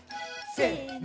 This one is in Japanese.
せの！